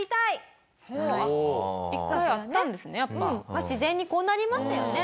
まあ自然にこうなりますよね。